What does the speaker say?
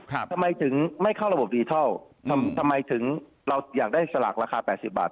ทำไมถึงไม่เข้าระบบดิทัลทำไมถึงเราอยากได้สลากราคาแปดสิบบาท